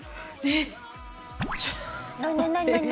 えっ？